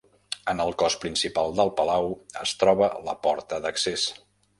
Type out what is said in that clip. En el cos principal del palau es troba la porta d'accés.